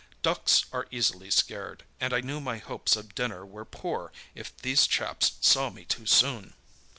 Ducks are easily scared, and I knew my hopes of dinner were poor if these chaps saw me too soon.